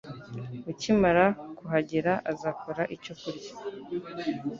Ukimara kuhagera, azakora icyo kurya.